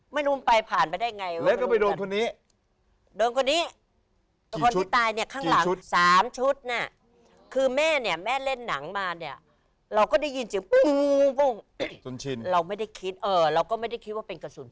แม่นั่งอยู่นี่นะแม่นั่งอยู่นี่นะ